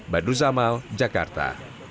badu zamal jakarta